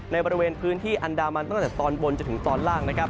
ในบริเวณพื้นที่อันดามันตั้งแต่ตอนบนจนถึงตอนล่างนะครับ